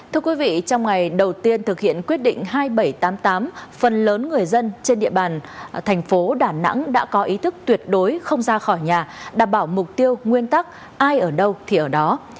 thưa quý vị trong ngày đầu tiên thực hiện quyết định hai nghìn bảy trăm tám mươi tám phần lớn người dân trên địa bàn thành phố đà nẵng đã có ý thức tuyệt đối không ra khỏi nhà đảm bảo mục tiêu nguyên tắc ai ở đâu thì ở đó